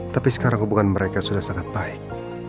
tapi sekarang hubungan mereka sudah sangat baik